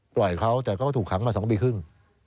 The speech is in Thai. ปล่อยเขาแต่ก็ถูกขังมา๒ปีครึ่ง